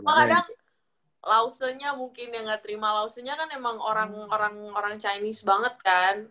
cuma kadang lausenya mungkin yang gak terima lausenya kan emang orang orang chinese banget kan